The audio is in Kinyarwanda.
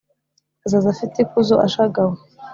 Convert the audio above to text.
Azaza afite ikuzo ashagawe